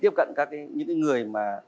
tiếp cận các cái những cái người mà